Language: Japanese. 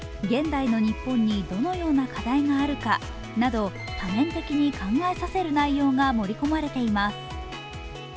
現代の日本にどのような課題があるかなど多面的に考えさせる内容が盛り込まれています。